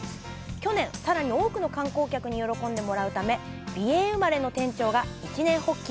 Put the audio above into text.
去年、さらに多くの観光客に喜んでもらうため美瑛生まれの店長が一念発起。